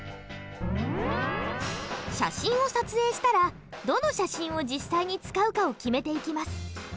写真を撮影したらどの写真を実際に使うかを決めていきます。